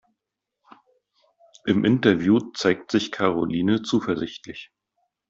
Im Interview zeigt sich Karoline zuversichtlich.